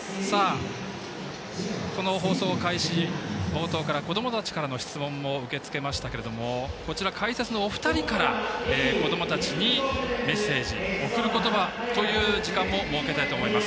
この放送の開始冒頭からこどもたちからの質問も受け付けましたけれども解説のお二人からこどもたちにメッセージ送る言葉という時間を設けたいと思います。